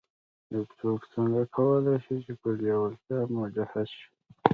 يو څوک څنګه کولای شي چې پر لېوالتیا مجهز شي.